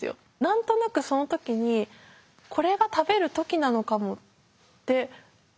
何となくその時にこれが食べる時なのかもって思えたんですよ。